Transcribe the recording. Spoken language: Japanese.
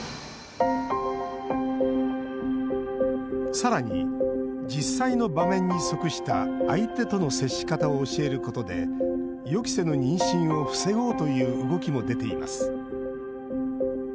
さらに、実際の場面に即した相手との接し方を教えることで予期せぬ妊娠を防ごうという動きも出ています。